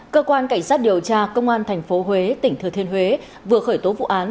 cơ quan cảnh sát điều tra công an tp huế tỉnh thừa thiên huế vừa khởi tố vụ án